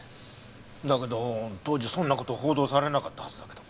だけど当時そんな事報道されなかったはずだけど。